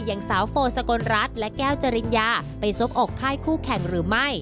อย่างสาวโฟสกลรัฐและแก้วจริญญาไปซบอกค่ายคู่แข่งหรือไม่